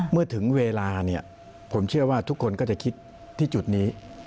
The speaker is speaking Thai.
เมื่อถึงเวลาเนี่ยผมเชื่อว่าทุกคนก็จะคิดที่จุดนี้